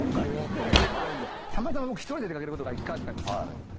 たまたま僕、１人で出かけることが１回あったんですよ。